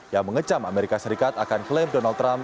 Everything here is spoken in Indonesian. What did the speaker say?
yang mengecam amerika serikat akan klaim donald trump